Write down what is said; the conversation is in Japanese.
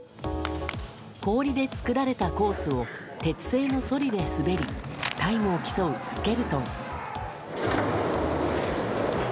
氷で作られたコースを鉄製のそりで滑りタイムを競うスケルトン。